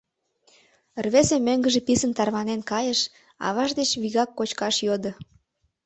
Рвезе мӧҥгыжӧ писын тарванен кайыш, аваж деч вигак кочкаш йодо.